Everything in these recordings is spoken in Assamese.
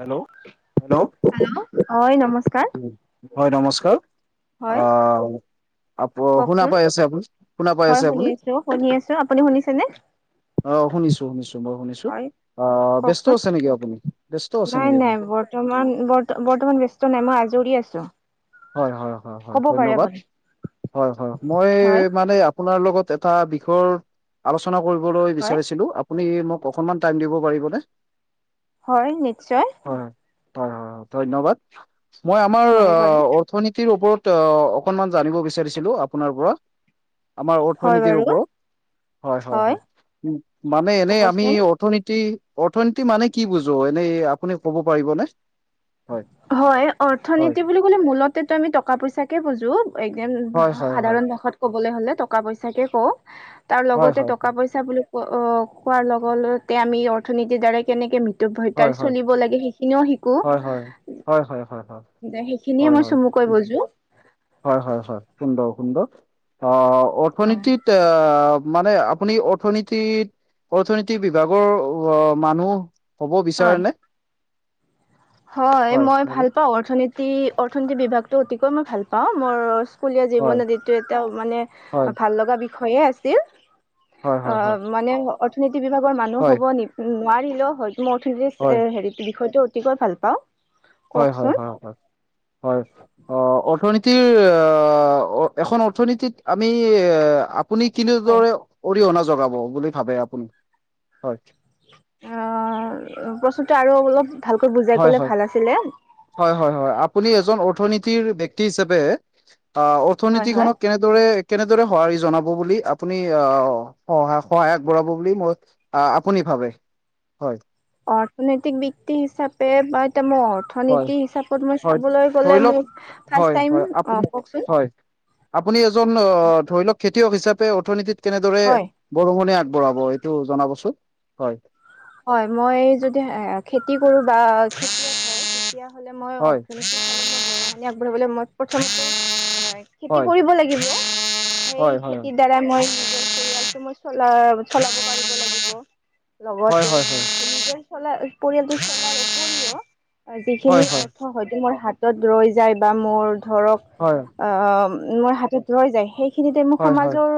হেল্ল' হেল্ল' হয় নমস্কাৰ। হয় নমস্কাৰ হয় অ আ শুনা কওকচোন। পাই আছে আপুনি শুনা পাই হয় আছে শুনি আপুনি? আছো শুনি আছো আপুনি শুনিছেনে? অ শুনিছো শুনিছো মই শুনিছো। হয় অ ব্যস্ত কওকচোন, আছে নেকি আপুনি ব্যস্ত আছে নাই নেকি নাই আপুনি বৰ্তমান বৰ্তমান ব্যস্ত নাই মই। জুৰি আছো হয় হয় হয় হয় ক'ব পাৰে ধন্যবাদ। আপুনি। হয় হয় মই হয়। মানে আপোনাৰ লগত এটা বিষয়ৰ আলোচনা কৰিবলৈ হয় বিচাৰিছিলো আপুনি মোক অকণমান টাইম দিব পাৰিবনে? হয় নিশ্চয়। হয় হয় হয় ধন্যবাদ মই আমাৰ হয় বাৰু অৰ্থনীতিৰ ওপৰত অ অকনমান জানিব বিচাৰিছিলো আপোনাৰ পৰা আমাৰ হয় অৰ্থনীতিৰ বাৰু ওপৰত। হয় হয় হয়। উ মানে এনেই আমি ক'বচোন। অৰ্থনীতি অৰ্থনীতি মানে কি বুজো এনেই আপুনি ক'ব পাৰিবনে? হয় হয় হয় অৰ্থনীতি বুলি কলে মূলতেতো আমি টকা পইচাকে বুজো। একদম হয় হয় সাধাৰণ ভাষাত কবলৈ হলে টকা পইচাকে কওঁ। তাৰ হয় লগতে হয় টকা হয় পইচা বুলি ক অ কোৱাৰ লগতে আমি অৰ্থনীতিৰ দ্বাৰাই কেনেকে ম হয় তাৰ হয় চুলিব লাগে সেইখিনিও শিকো। হয় হয়, হয় হয় হয় হয়, যে সেইখিনিয়ে হয় মই হয়। চমুকৈ বুজো হয় হয় হয়, সুন্দৰ সুন্দৰ, অ অৰ্থনীতিত মানে আপুনি অৰ্থনীতি অৰ্থনীতি বিভাগৰ অ মানুহ ক'ব বিচাৰে হয় নে? হয় মই ভাল পাওঁ অৰ্থনীতি অৰ্থনীতি বিভাগতটো অতিকৈ মই ভাল পাওঁ, মোৰ স্কুলীয়া জীৱন হয় নদটো এটা মানে হয় ভাল লগা বিষয়ে আছিল। হয় অ হয় হয় মানে অৰ্থনীতি বিভাগৰ মানুহ হয় হ'ব নি নোৱাৰিলেও হয় মই হয় হেৰিৰ বিষয়টো অতিকৈ ভাল পাওঁ। হয় হয় কওকচোন হয় হয়, হয় অ অৰ্থনীতি তিৰ আ এখন অৰ্থনীতিত আমি আপুনি হয় কিনেদৰে অৰিহণা জগাব বুলি ভাবে আপুনি? হয় অ প্ৰস্তুত আৰু অলপ ভালকৈ বুজাই হয় ক'লে হয়, ভাল আছিলে হয় হয় আপুনি এজন নীতিৰ ব্যক্তি হিচাপে হয় অৰ্থনীতি হয় খনত কেনেদৰে কেনেদৰে সঁহাৰি জনাব বুলি আপুনি আহ সায় সহায় আগবঢ়াব বুলি মই আপুনি ভাবে হয় অৰ্থনৈতিক বৃত্তি হিচাপে বা মোৰ হয়, অৰ্থনীতি হিচাপত মই হয়। চাবলৈ ধৰি গলে লওক মোক হয়, ফাৰ্ষ্ট টাইম হয়, আপুনি অ কওকচোন হয়, আপুনি এজন অ ধৰি লওক খেতি খয়ক হিচাপে অৰ্থনীতিত কেনেদৰে হয় বৰষুণে আগবঢ়াব এইটো জনাবচোন হয় হয় মই যদি খেতি কৰো বা খেতি মই হয় অৰ্থনতি আগবঢ়ালৈ মই প্ৰথম খেতি হয় কৰিব লাগিব স হয় হয় খেতিৰ দ্বাৰা মই মই চলা চলাব পাৰিব লাগিব। হয় হয় হয় লা পৰিয়ালটো চ যিখিনি হয় হয় অৰ্থ হয়তো মোৰ হাত হাতত ৰৈ যায় বা মোৰ ধৰক হয় মোৰ হাতত ৰৈ যায়। সেইখিনিতে মই হয় হয় সমাজৰ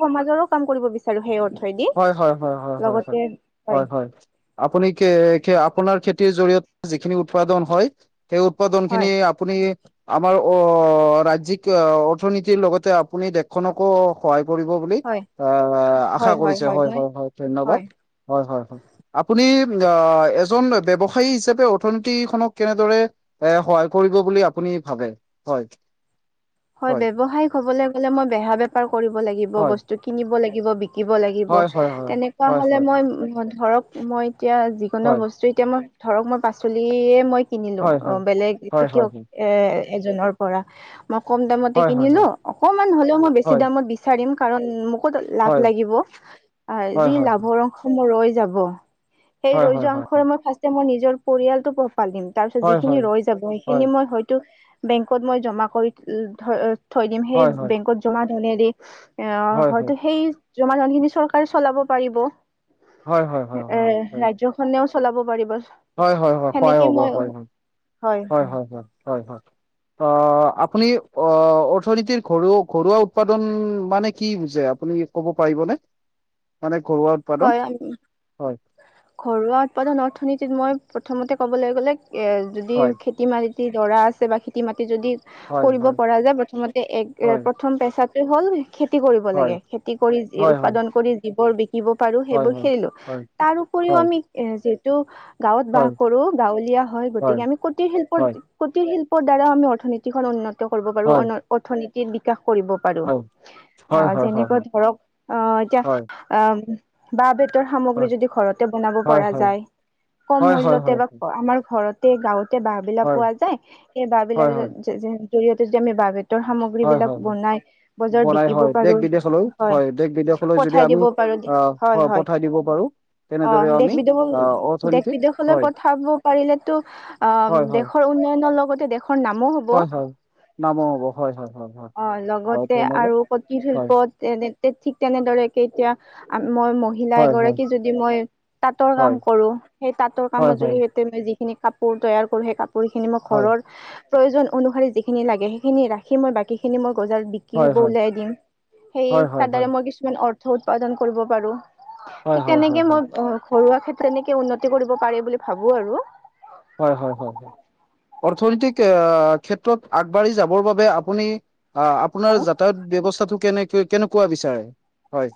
সমাজৰো কাম কৰিব বিচাৰোঁ সেইয় হয় হয় হয় হয় হয় হয় হয় হয়, আপুনি কে খ আপোনাৰ খেতিৰ জৰিয়তে যিখিনি উৎপাদন হয় সেই উৎপাদন খিনি হয় আপুনি আমাৰ অ ৰাজ্যিক অৰ্থনীতিৰ লগতে আপুনি দেশখনকো সহায় কৰিব বুলি হয় আশা আশা কৰিছে। হয় হয় হয় ধন্যবাদ, হয় হয় হয় হয় আপুনি অ এজন ব্যৱসায়ী হিচাপে অৰ্থনীতি খনক কেনেদৰে এ সহায় কৰিব বুলি আপুনি ভাবে হয় হয় বৱসায়িক হব গলে মই বেহা বেপাৰ কৰিব লাগিব হয় বস্তু কিনিব লাগিব শিকিব লাগিব হয় হয় হয় তেনেকুৱা হয় হ'লে মই ধৰক মই এতিয়া যিকোনো হয় বস্তু এতিয়া মই ধৰক মই পাচলিয়ে মই কিনিলো হয় অ হয় বেলেগ হয় হয় হয় খেতিয়ক এ এজনৰ পৰা মই কম দাম হয় হয় হয় কিনিলো অকমান হলেও মই বেছি দামত বিচাৰিম কাৰণ ম ক'ত লাভ হয় লাগিব আহ হয় যি হয় লাভৰ অংশসমূহ ৰৈ যাব সেই হয় ৰৈ হয় যোৱা অংশৰে মই ফাষ্ট মই নিজৰ পৰিয়ালটো পাই যাম হয় হয় হয় যিখিনি ৰৈ হয় যাব সেইখিনি হয়তো বেংকত মই জমা পাবলে থৈ দিম সেই হয় হয় হয় বেংকত জমা ধনেদি এ হয় হয়তো সেই জমা ধনখিনি চৰকাৰে চলাব পাৰিব হয় হয় হয় হয় হয় এ হয় ৰাজ্যখনেও চলাব পাৰিবা হয় খোৱাই হ'ব হয় হয় অ আপুনি অ অৰ্থনীতিৰ ঘৰু ঘৰুৱা উৎপাদন মানে কি বুজ আপুনি কব পাৰিব নে হয় ঘৰুৱা উৎপাদন অৰ্থনীতিত মই প্ৰথমতে ক'বলৈ গ'লে এ যদি হয় খেতি মাটি দৰা আছে বা খেতি মাটি যদি হয় কৰিব হয় পৰা যায় প্ৰথমতে এক এ হয় প্ৰথম পেচাটো হ'ল খেতি কৰিব হয় লাগে খেতি কৰি হয় হয় উৎপাদন কৰি জিবোৰ বিকিব পাৰো হয় সেইবোৰ হয় খেলিলো হয় তাৰ উপৰিও আমি এ যিহেতু গাঁৱত হয় বাস কৰো গাঁৱলীয়া হয় গতিকে আমি কোটিৰ শিল্পৰ হয় কোটিৰ শিল্প দ্বাৰা আমি অথনীতিখন উন্নত কৰিব পাৰো হয় অৰ্নীতি বিকাশ কৰিব পাৰো হয় হয় আহ হয় হয় যেনেকৈ ধৰক আহ এতিয়া হয় বা বেত সামগ্ৰী যদি ঘৰতে বনাব হয় পৰা হয় যায় কম হয় হয় মূল্য হয় বা আমাৰ ঘৰতে গাঁৱত তিয়া বাঁহ বিলাক হয় পোৱা যায় সেই বাঁহ হয় বিলাক হয় হয় জৰিয়তে যদি আমি বাঁ ৰ সামগ্ৰী হয় হয় বিলাক হয় বনাই বজাৰত বনাই বিকিব হয় দেশ পাৰো বিদেশলৈ হয় পঠাই দিব পাৰো অঁ হয় পঠাই দিব পাৰো অ তেনেদৰে দেশ আমি বিদেশ আহ দেশ অৰ্থনীতিত বিদেশলৈ হয় পঠাব পাৰিলেতো অ হয় হয় দেশৰ উন্নয়ন লগতে দেখুৱ হয় হয় নামৰ হব হয় হয় হয় হয় অ হয় লগতে তেনেকে আৰু কুটীৰ হয় শিল্পত তেনে ঠিক তেনেদৰে কেে এতিয়া মই মহিলা হয় হয় এগৰাকী যদি মই তাঁতৰ কাম কৰো সেই তাঁতৰ কামৰ হয় যোগে হয় সতে মই যি খিনি কাপোৰ তৈয়াৰ কৰো সেই কাপোৰ খিনি মই হয় ঘৰৰ প্ৰয়োজন অনুসৰি যিখিনি লাগে সেইখিনি ৰাখি মই বাকীখিনি মোক গজাল বিক হয় হয় ওলাই দিম সেই হয় হয় তাৰ হয় দ্বাৰা মই কিছুমান অৰ্থ উৎপাদন কৰিব পাৰো হয় ঠিক হয় তেনেকে হয় হয় মই ঘৰুৱা ক্ষেত্ৰত, তেনেকে উন্নতি কৰিব পাৰি বুলি ভাবো আৰু। হয় হয়, হয় হয়। অৰ্থনৈতিক, আ ক্ষেত্ৰত আগবাঢ়ি যাবৰ বাবে আপুনি আ-আপোনাৰ হয় যাতায়াত ব্যৱস্থাটো কেনেক-কেনেকুৱা বিচাৰে? হয়।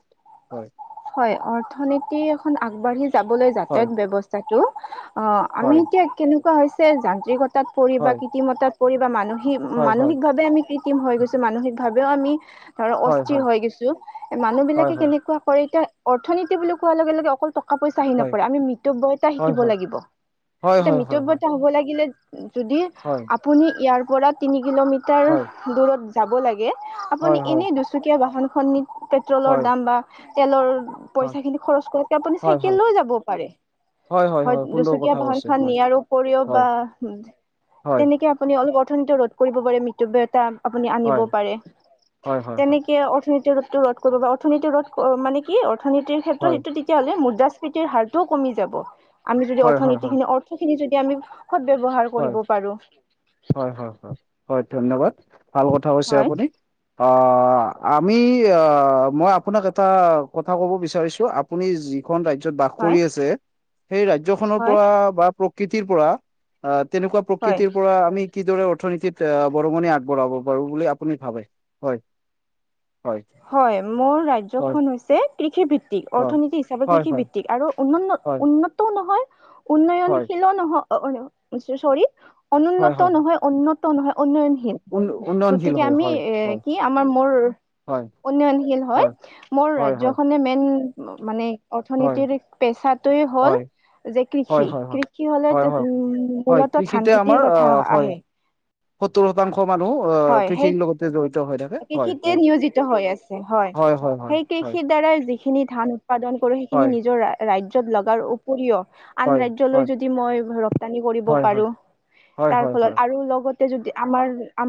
হয় হয়, অৰ্থনীতি এখন আগবাঢ়ি যাবলৈ যাতায়াত হয় ব্যৱস্থাটো অ'। আমি হয় এতিয়া কেনেকুৱা হৈছে যান্ত্ৰিকতাত পৰি বা হয় কৃত্ৰিমতাত পৰি বা মানসিক হয় মানসিকভাৱে আমি কৃত্ৰিম হৈ গৈছো, মানসিকভাৱেও আমি ধৰ অস্থিৰ হয় গেইছো। এ হয় মানুহবিলাকে হয় কেনেকুৱা কৰে এতিয়া, অৰ্থনীতি বুলি কোৱাৰ লগে লগে অকল টকা টকা-পইচা আহি হয় নপৰে, আমি মিতব্যয়তা শিকিব হয় লাগিব। হয় এতিয়া হয় হয় মিতব্যয়তা হ'ব লাগিলে। যদি হয় আপুনি ইয়াৰ পৰা তিনি হয় কিলোমিটাৰ হয় দূৰত যাব লাগে, হয় হয় আপুনি হয় এনেই দুচকীয়া বাহনখন নি হয় পেট্ৰলৰ দাম বা তেলৰ পইচাখিনি খৰচ কৰাতকে আপুনি হয় হয় হয় চাইকেল লৈও যাব পাৰে। হয়। দুচুকীয়া বাহনখান নিয়াৰ উপৰিও হয় বা হয় তেনেকে আপুনি অলপ অৰ্থনীতি ৰোধ কৰিব পাৰে, মিতব্যয়িতা আপুনি আনিব হয় পাৰে। হয় হয় হয় তেনেকে অৰ্থনীতি ৰোধ কৰিব। বা অৰ্থনীতি ৰোধ মানে কি অৰ্থনীতিৰ ক্ষেত্ৰত হয় সেইটো তেতিয়াহ'লে মুদ্ৰা মুদ্ৰাস্ফীতি হাৰটোও কমি যাব। আমি যদি হয় হয় হয় অৰ্থনীতিখিনি অৰ্থখিনি যদি আমি সৎ ব্যৱহাৰ হয় কৰিব পাৰো। হয় হয় হয় হয় ধন্যবাদ। ভাল কথা কৈছে হয় আপুনি। আ, আমি আ মই আপোনাক এটা কথা ক'ব বিচাৰিছোঁ, আপুনি যি খন ৰাজ্যত বাস হয় কৰি আছে, সেই ৰাজ্যখনৰ হয় পৰা বা প্ৰকৃতিৰ পৰা তেনেকুৱা হয় প্ৰকৃতিৰ পৰা আমি কিদৰে অৰ্থনীতিত বৰঙণি আগবঢ়াব পাৰো বুলি আপুনি ভাবে? হয়। হয় হয়। মোৰ হয় ৰাজ্যখন হৈছে কৃষিভিত্তিক। অৰ্থনীতি হিচাপে হয় হয় কৃষিভিত্তিক আৰু উন্ন হয় উন্নতও নহয়। হয় উন্নয়নশীলো নহয়। চৰী, হয় হয় অনুন্নত হয় নহয় উন্নত নহয়। উন্নয়নশীন। উন উন্নয়নশীল গতিকে হয় আমি হয় এ হয় কি আমাৰ মোৰ হয় উন্নয়নশীল হয়। মোৰ হয় হয় ৰাজ্যখনে মেইন মানে হয় অৰ্থনীতিৰ পেচাত টোৱে হ'ল হয় যে হয় হয় হয় কৃষি, হয় কৃষি হয় হ'লে হয় হয় উম হয় মূলতঃ কৃষিতে ধান আমাৰ খেতিৰ কথা আহ হয় আহে। সত্তৰ শতাংশ মানুহ আহ হয় সেই কৃষিৰ লগতে জড়িত। হৈ থাকে হয় কৃষিতে হয় নিয়োজিত হৈ আছে, হয়। সেই কৃষিৰ দ্বাৰা যিখিনি ধান উৎপাদন কৰো, সেইখিনি নিজৰ ৰাজ্যত লগাৰ উপৰিও আন হয় ৰাজ্যলৈ হয় যদি মই ৰপ্তানি কৰিব হয় হয় পাৰো, হয় হয় তাৰ হয় হয় ফলত আৰু লগত যদি,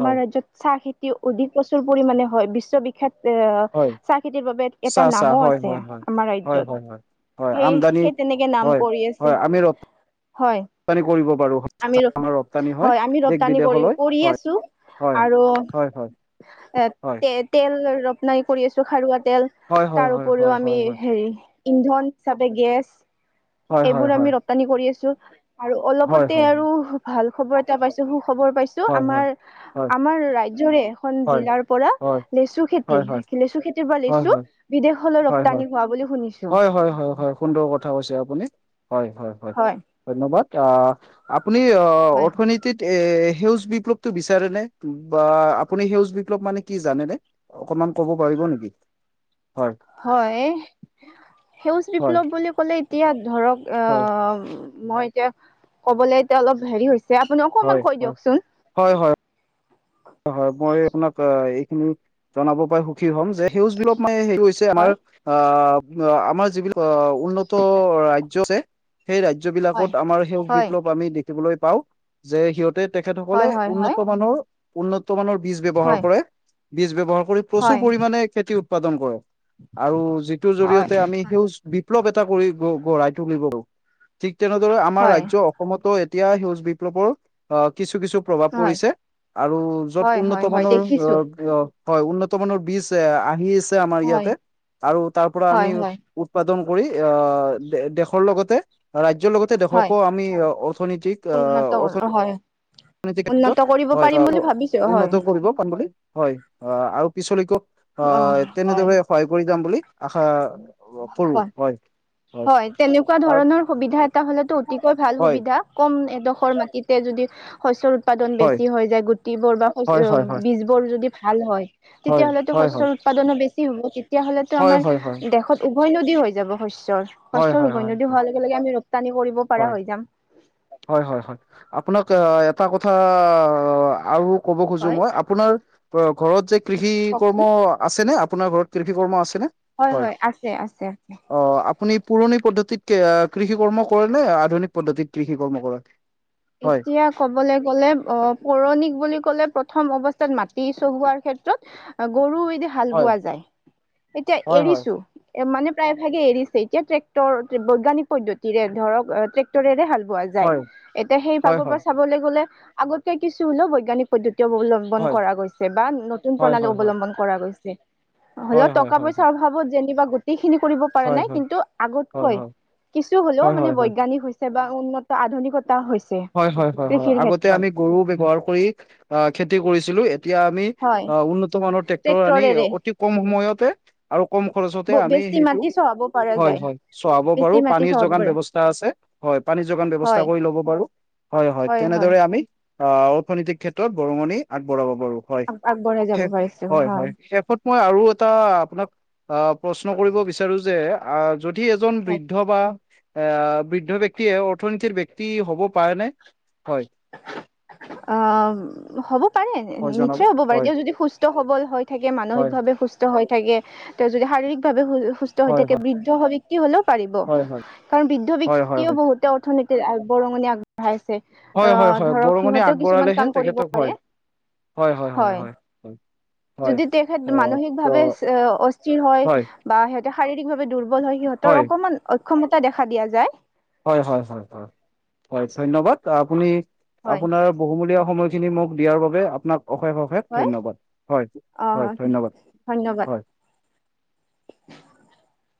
হয় ৰাজ্যত চাহখেতি অধিক প্ৰচুৰ পৰিমাণে হয়। বিশ্ববিখ্যাত এ হয় চাহখেতিৰ বাবে এটা চাহ চাহ নামো হয় আছে। হয় হয় আমাৰ হয় ৰাজ্যত হয় হয় হয় সেই আমদানি সেই তেনেকে নাম হয়। কৰি আছে হয় আমি ৰ হয় ৰপ্তানি কৰিব পাৰো। আমি আমাৰ ৰপ্তানি হয়, আমি ৰপ্তানি কৰি দেশ-বিদেশলৈ কৰি হয়। আছো হয়, আৰু হয় হয়। এ হয় তে-তেল ৰপ্তানি কৰি আছো। খাৰুৱা তেল, হয় হয় তাৰ হয় উপৰিও হয় হয় আমি হেৰি ইন্ধন হিচাপে গেছ হয় হয় এইবোৰ হয় আমি ৰপ্তানি কৰি আছো। আৰু হয় অলপতে হয় আৰু ভাল খবৰ এটা পাইছো সুখ খবৰ পাইছো, হয় হয় হয় হয় আমাৰ-আমাৰ ৰাজ্যৰে এখন হয় জিলাৰ পৰা লেচুখেতি হয় হয় হয় হয় হয় লেচু খেতিৰ পৰা হয় হয় লেচু বিদেশলৈ হয় হয় ৰপ্তানি হোৱা বুলি শুনিছো। হয় হয় হয় হয়। সুন্দৰ কথা কৈছে আপুনি। হয় হয় হয়। ধন্যবাদ আ-আপুনি অৰ্থনীতিত। এ সেউজ বিপ্লৱটো বিচাৰে নে? বা আপুনি সেউজ বিপ্লৱ মানে কি জানেনে? অকমান। ক'ব পাৰিব নেকি? হয় হয়। সেউজ হয় বিপ্লৱ বুলি ক'লে এতিয়া ধৰক, আ। হয় মই এতিয়া ক'বলে এতিয়া অলপ হেৰি হৈছে, আপুনি হয় অকনমান কৈ হয় দিয়কচোন। হয় হয় হয় মই আপোনাক এইখিনি জনাব পাই সুখী হ'ম যে, সেউজ বিপ্লৱ মানে সেইটো হৈছে আমাৰ হয় আহ আমাৰ যিবিলাক উন্নত ৰাজ্য আছে। সেই ৰাজ্য হয় বিলাকত আমাৰ সেউজ হয় বিপ্লৱ আমি দেখিবলৈ পাওঁ যে সিহঁত তে তেখেতসকলে হয় হয় হয় উন্নত মানৰ উন্নত মানৰ বীজ ব্যৱহাৰ হয় কৰে বীজ ব্যৱহাৰ প্ৰচুৰ হয় পৰিমাণে খেতি উৎপাদন কৰে আৰু যিটোৰ হয় জৰিয়তে আমি স লৱ এটা কৰি গঢ়াই তুলিব ঠিক তেনেদৰে আমাৰ হয় ৰাজ্য অসমতো এতিয়া সেউজ বিপ্লৱৰ আহ কিছু কিছু প্ৰভাৱ হয় পৰিছে। আৰু যত হয় উন্নত হয় হয় মানৰ দেখিছো অ হয় উন্নত মানৰ বীজ এ আহি। আমাৰ হয় ইয়াতে আৰু তাৰ পৰা আমি হয় হয় উৎপাদন আহ দেশৰ লগতে ৰাজ ৰাজ্যৰ লগতে হয় দেশকো আমি অৰ্থনীতিক উন্নত অৰ্তি কৰ হয় অৰ্থনীতি উন্নত ক্ষেত্ৰত কৰিব হয় পাৰিম বুলি ভাবিছো হয় উন্নত কৰিব পাম বুলি হয় অ আৰু পিছলৈকে অ তেনেদৰে সহায় কৰি যাম বুলি আশা কৰো হয়। হয় তেনেকুৱা হয় ধৰণৰ সুবিধা এটা হলেতো অতিকৈ ভাল হয় সুবিধা কম এডখ মাটিতে যদি শস্য উৎপাদন হয় বেছি হৈ যায় গুটিবোৰ বা হয় হয় হয় শ বীজ বোৰ যদি ভাল হয় হয়, তেতিয়াাহ'লেতো হয়, হয়, শস্যৰ উৎপাদনো বেছি তেতিয় হ'লেতো হয়, হয়, হয়, আমাৰ দেশত উভয় নদী হৈ যাব শস্য হয়, শস্যৰ হয়, হয়, হয়, উভয় নদী হোৱাৰ লগে লগে আমি ৰপ্তানি কৰিব পৰা হয়, হৈ যাম হয় হয় হয় আপোনাক এটা কথা আৰু ক'ব খোজো হয় মই আপোনাৰ ঘৰত যে কৃষি কৰ্ম কওকচোন আছে নে আপোনাৰ ঘৰত কৃষি কৰ্ম আছে। নে হয় অ আপ পুৰণি পদ্ধতিত কৃষি কৰ্ম কৰে নে আধুনিক পদ্ধতিত কৃষি কৰ্ম কৰে হয়, এতিয়া কবলৈ গ'লে অ পৌৰণিক বুলি ক'লে প্ৰথম অৱস্থা মাটি চহোৱাৰ ক্ষেত্ৰত গৰু হাল হয়, বোৱা যায় এতিয়া হয়, হয়, এৰিছো মানে প্ৰায়ভাগে এৰিছে এতিয়া ট্ৰেক্টৰ বৈজ্ঞানিক পদ্ধতিৰে ধৰক ট্ৰেক্টৰে হাল পোৱা যায় হয়, এতিয়া সেই হয়, ভাগৰ হয়, পৰা চাবলৈ গ'লে আগতকে কিছু হলেও বৈজ্ঞানিক পদ্ধতি অৱলম্বন হয়, কৰা গৈছে বা নতুন হয়, প্ৰণালী হয়, হয়, অৱলম্বন কৰা গৈছে হ'লেও হয়, হয়, টকা হয়, পইচাৰ অভাৱত যেনিবা গোটেই খিনি কৰিব পৰা হয়, হয়, নাই হয়, কিন্তু হয়, হয়, হয়, হয়, আগতকৈ কিছু হ'লেও হয়, মানে হয় হয় বৈজ্ঞানিক হৈছে বা উন্নত আধুনিকতা হৈছে হয় হয় হয় হয় কৃষিৰ আগতে ক্ষেত্ৰত। আমি গৰু ব্যৱহাৰ কৰি আহ খেতি কৰিছিলো এতিয়া আমি হয়, অ উন্নত মানৰ ট্ৰেক্টৰ আনি ট্ৰেক্টৰেৰে অতি কম সময়তে আৰু কম খৰচতে আমি বেছি সেইটো মাটি চহাব পৰা হয় যায়। হয় চোৱাব বেছি পাৰো মাটি পানীৰ চহাব যোগান পাৰে, ব্যৱস্থা আছে হয় পানীৰ যোগান ব্যৱস্থা হয়। কৰি ল'ব পাৰো হয় হয় তেনেদৰে আমি অ অৰ্থনৈতিক ক্ষেত্ৰত বৰঙণি আগবঢ়াব হয় আগ আগবঢ়াই যাব পাৰিছো হয় শেষত মই আৰু এটা আপোনাক আহ প্ৰশ্ন কৰিব বিচাৰো যে আহ যদি এজন বৃদ্ধ বা আ বৃদ্ধ ব্যক্তিয়ে অৰ্থনীতিৰ ব্যক্তি হ'ব পাৰে ন হয় হ'ব পাৰে হয় জনাব নিশ্চয় হ'ব পাৰে হয় তেওঁ যদি সুস্থ সবল হৈ থাকে হয় মানসিকভাৱে সুস্থ হৈ থাকে তেওঁ যদি শাৰীৰিক ভাৱে সুস্থ হৈ হয় থাকে হয় বৃদ্ধ ব্যক্তি হলেও পাৰিব হয় হয় কাৰণ বৃদ্ধ হয় হয় ব্যাক্তিও বহুতে অৰ্থনীতিৰ বৰঙণি আগবঢ়াইছে হয় হয় অ', হয় ধৰক বৰঙণি সিহঁতেও কিছুমান আগবঢ়ালেহে কাম কৰিব তেখেতক পাৰে হয় হয় হয় হয় হয় হয় যদি তেখেত অ' ত মানসিকভাৱে অস্থিৰ হয় বা সিহঁতে শাৰীৰিক ভাৱে দুৰ্বল ব হয় সিহঁতৰ অকমান অক্ষমতা দেখা দিয়া যায় হয় হয় হয় হয় হয় ধন্যবাদ আপুনি হয় আপোনাৰ বহুমূলীয়া সময়খিনি মোক দিয়াৰ বাবে আপোনাক অশেষ অশেষ হয় ধন্যবাদ হয় অ হয় ধন্যবাদ ধন্যবাদ হয়। [inaudible]